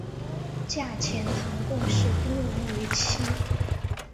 嫁钱塘贡士丁睿为妻。